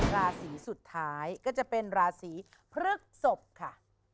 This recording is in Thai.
ราศีสุดท้ายก็จะเป็นราศีพฤกษบค่ะ